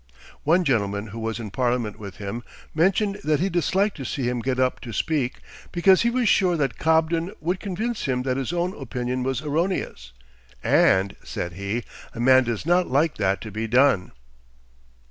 One gentleman who was in Parliament with him mentioned that he disliked to see him get up to speak, because he was sure that Cobden would convince him that his own opinion was erroneous; "and," said he, "a man does not like that to be done."